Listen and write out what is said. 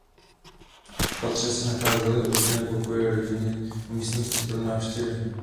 V patře se nacházely obytné pokoje rodiny a místnosti pro návštěvy.